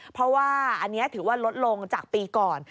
เพราะว่าอันนี้ถือว่าลดลงจากปีก่อน